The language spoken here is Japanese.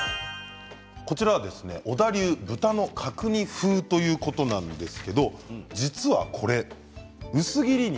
小田流豚の角煮風、ということなんですけど実はこれ薄切り肉。